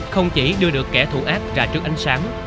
không chỉ đưa được kẻ thủ ác ra trước ánh sáng